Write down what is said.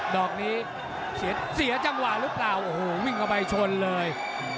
ดอกนี้เสียจังหวะหรือเปล่าโอ้โหวิ่งเข้าไปชนเลย